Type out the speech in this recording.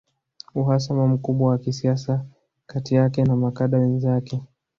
Uhasama mkubwa wa kisiasa kati yake na makada wenzake